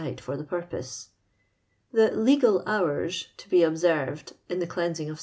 'lit for the purpose. Tho '• l«i,'al hours " to be ttbserv. Ml in tho clean ^in^r of ce.